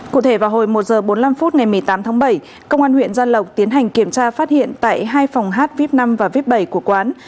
cụ thể vào hồi một h bốn mươi năm phút ngày một mươi tám tháng bảy công an huyện gia lộc tiến hành kiểm tra phát hiện tại hai phòng hát vip năm và vip bảy của quán